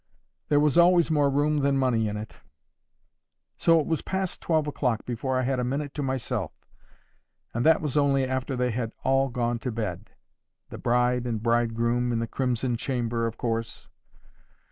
There was always more room than money in it. So it was past twelve o'clock before I had a minute to myself, and that was only after they had all gone to bed—the bride and bridegroom in the crimson chamber, of course.